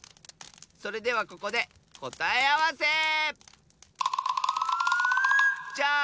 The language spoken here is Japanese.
それではここでこたえあわせ！